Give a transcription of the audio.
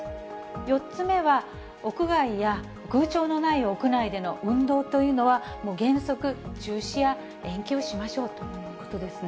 ４つ目は、屋外や空調のない屋内での運動というのは、もう原則、中止や延期をしましょうということですね。